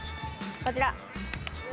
こちら。